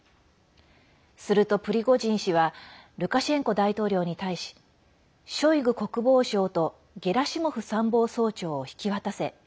するとプリゴジン氏はルカシェンコ大統領に対しショイグ国防相とゲラシモフ参謀総長を引き渡せ。